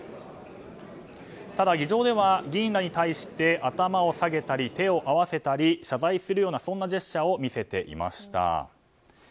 ただ、議場では議員らに対して頭を下げたり手を合わせたり、謝罪するようなジェスチャーを見せていました。